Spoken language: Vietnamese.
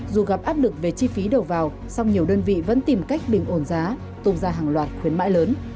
dù gặp áp lực về chi phí đầu vào song nhiều đơn vị vẫn tìm cách bình ổn giá tung ra hàng loạt khuyến mãi lớn